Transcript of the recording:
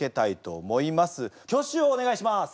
挙手をお願いします。